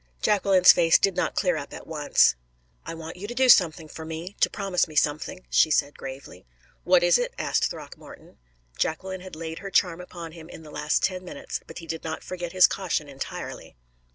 Jacqueline's face did not clear up at once. "I want you to do something for me to promise me something," she said, gravely. "What is it?" asked Throckmorton. Jacqueline had laid her charm upon him in the last ten minutes, but he did not forget his caution entirely.